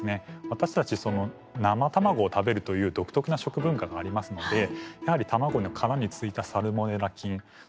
私たちその生卵を食べるという独特な食文化がありますのでやはり卵の殻についたサルモネラ菌それのリスクが高くなってしまう。